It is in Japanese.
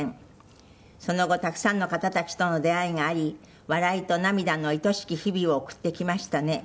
「その後、たくさんの方たちとの出会いがあり笑いと涙のいとしき日々を送ってきましたね」